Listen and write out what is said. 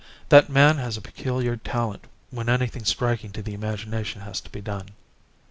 That man has a peculiar talent when anything striking to the imagination has to be done.